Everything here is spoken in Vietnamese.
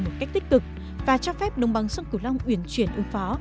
một cách tích cực và cho phép đồng bằng sông cửu long uyển chuyển ưu phó